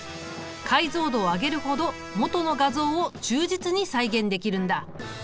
解像度を上げるほど元の画像を忠実に再現できるんだ。